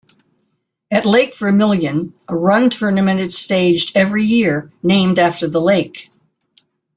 At Lake Vermillion, a run tournament is staged every year named after the lake.